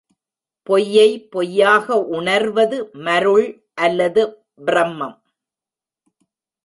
பொய்யை பொய்யாக உணர்வது மருள் அல்லது ப்ரமம்.